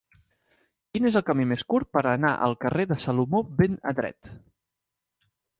Quin és el camí més curt per anar al carrer de Salomó ben Adret